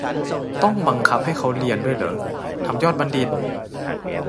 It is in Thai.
ต้องบังคับให้เขาเรียนด้วยเหรอ ทำยอดบัณฑิต?